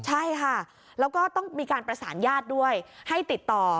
ใช่ค่ะแล้วก็ต้องมีการประสานญาติดต่อ